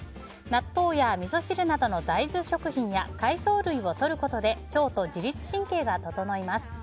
納豆やみそ汁などの大豆食品や海藻類をとることで腸と自律神経が整います。